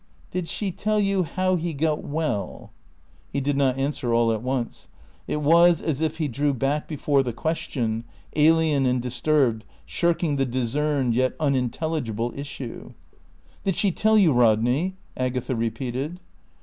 "Did she tell you how he got well?" He did not answer all at once. It was as if he drew back before the question, alien and disturbed, shirking the discerned, yet unintelligible issue. "Did she tell you, Rodney?" Agatha repeated.